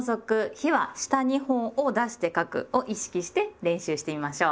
「日は下２本を出して書く」を意識して練習してみましょう！